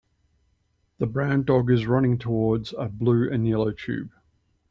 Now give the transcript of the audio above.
The brown dog is running towards a blue and yellow tube.